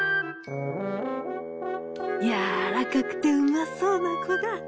「やわらかくてうまそうなこだ。